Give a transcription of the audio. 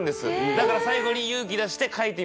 だから最後に勇気出して書いてみました。